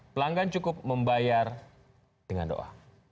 pelanggan cukup membayar dengan doa